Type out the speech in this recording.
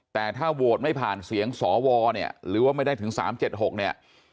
แต่ถ้าโหวตไม่ผ่านเสียงสวเนี่ยหรือว่าไม่ได้ถึง๓๗๖เนี่ย